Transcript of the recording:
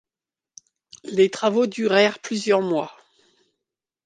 Les travaux durèrent plusieurs mois.